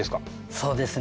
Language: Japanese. そうですね。